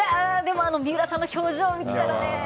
三浦さんの表情を見ていたらね。